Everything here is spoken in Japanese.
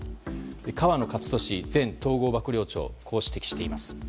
河野克俊前統合幕僚長はこう指摘をしています。